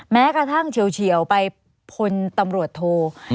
แม้กระทั่งเฉียวไปพลตำรวจโท